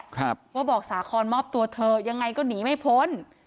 ครับว่าบอกสาคอนมอบตัวเถอะยังไงก็หนีไม่พ้น